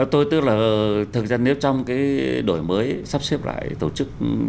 thực ra nếu trong cái đổi mới sắp xếp lại tổ chức